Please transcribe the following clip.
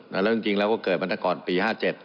แล้วจริงแล้วก็เกิดมาตั้งแต่ก่อนปี๕๗